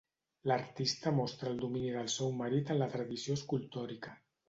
L'artista mostra el domini del seu marit en la tradició escultòrica.